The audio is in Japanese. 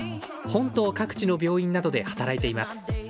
本島各地の病院などで働いています。